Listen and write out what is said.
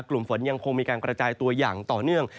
กลุ่มฝนยังคงมีการกระจายตัวอย่างต่อเนื่อง